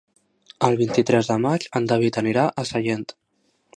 El vint-i-tres de maig en David anirà a Sallent.